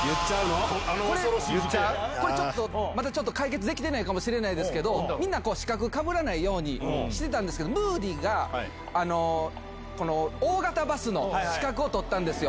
これちょっと、まだ解決できてないかもしれないですけど、みんな資格、かぶらないように、してたんですけど、ムーディが、大型バスの資格を取ったんですよ。